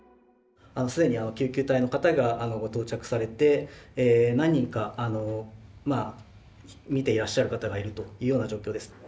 既に救急隊の方がご到着されて何人かあのまあ見ていらっしゃる方がいるというような状況です。